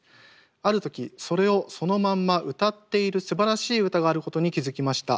ある時それをそのまんま歌っているすばらしい歌があることに気付きました。